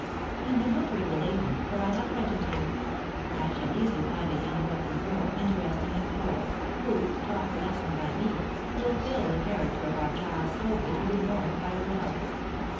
And the notary will aid me, for I have frightened him. I shall easily find a young orphan girl, interesting and poor, who, taught her lesson by me, will fill the character of our child so bitterly mourned by Rodolph.